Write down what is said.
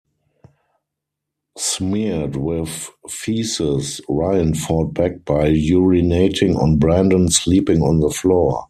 Smeared with feces, Ryan fought back by urinating on Brandon sleeping on the floor.